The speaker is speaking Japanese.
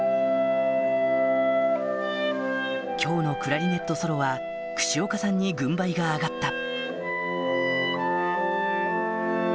今日のクラリネットソロは串岡さんに軍配が上がった